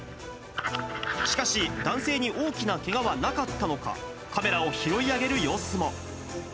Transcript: しかし、男性に大きなけがはなかったのか、カメラを拾い上げる様子も。